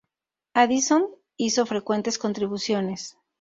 Addison hizo frecuentes contribuciones.